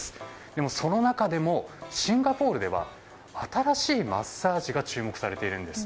でもその中でもシンガポールでは新しいマッサージが注目されているんです。